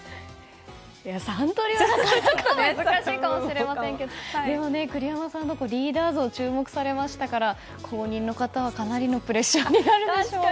三刀流はちょっと難しいかもしれませんけどでも、栗山監督のリーダー像注目されましたから後任の方はかなりプレッシャーになるでしょうね。